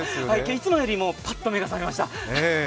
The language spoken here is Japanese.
いつもよりもぱっと目が覚めました。